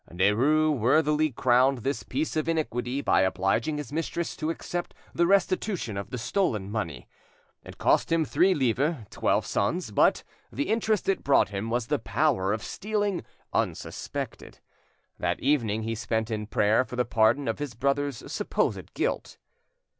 Derues worthily crowned this piece of iniquity by obliging his mistress to accept the restitution of the stolen money. It cost him three livres, twelve sons, but the interest it brought him was the power of stealing unsuspected. That evening he spent in prayer for the pardon of his brother's supposed guilt.